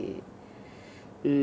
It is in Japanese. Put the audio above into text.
うん。